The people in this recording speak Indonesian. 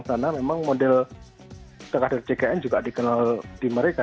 karena memang model kader ckn juga dikenal di mereka